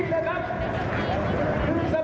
นายประยุทธ์ทันโมชา